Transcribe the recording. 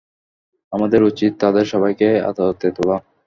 আমাদের উচিত তাদের সবাইকে আদালতে তোলা।